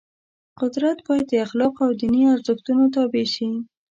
قدرت باید د اخلاقو او دیني ارزښتونو تابع شي.